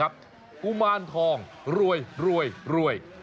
บุมารทองรวยรวยรวย